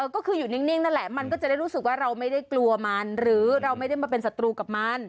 ก็คืออยู่นิ่งนั่นแหละมันก็จะได้รู้สึกว่าเราไม่ได้กลัวมันหรือเราไม่ได้มาเป็นศัตรูกับมัน